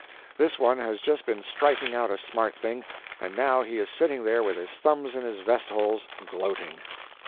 This one has just been striking out a smart thing, and now he is sitting there with his thumbs in his vest holes, gloating.